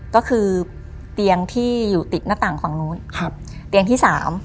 ก็คือเตียงที่อยู่ติดหน้าต่างฝั่งนู้นครับเตียงที่สาม